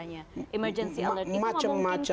ya sudah kita sudah